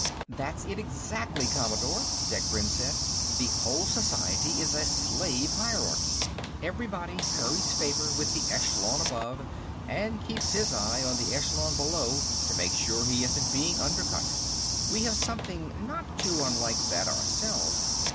"That's it exactly, Commodore," Degbrend said. "The whole society is a slave hierarchy. Everybody curries favor with the echelon above, and keeps his eye on the echelon below to make sure he isn't being undercut. We have something not too unlike that, ourselves.